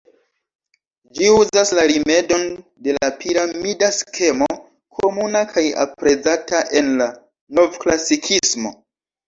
Ĝi uzas la rimedon de la piramida skemo, komuna kaj aprezata en la Novklasikismo.